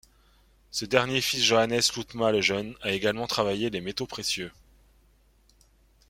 Ce dernier fils Johannes Lutma le Jeune a également travaillé les métaux précieux.